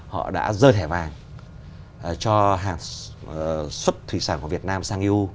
họ đã rơi thẻ vàng cho hàng xuất thủy sản của việt nam sang eu